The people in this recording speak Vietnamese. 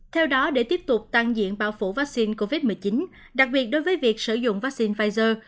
theo đó để tiếp tục tăng diện bao phủ vaccine covid một mươi chín đặc biệt đối với việc sử dụng vaccine pfizer